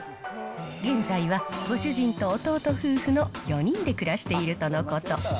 現在はご主人と弟夫婦の４人で暮らしているとのこと。